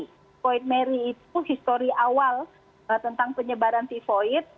typhoid mary itu histori awal tentang penyebaran typhoid